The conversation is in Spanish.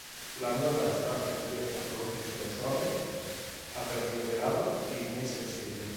La nueva está recubierta por un tejido suave, aterciopelado y muy sensible.